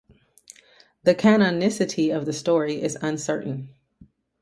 The canonicity of the story is uncertain.